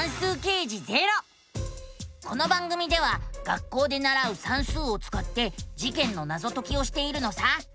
この番組では学校でならう「算数」をつかって事件のナゾ解きをしているのさ。